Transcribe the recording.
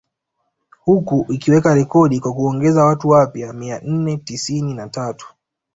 Huku ikiweka rekodi kwa kuongeza watu wapya mia nne tisini na tatu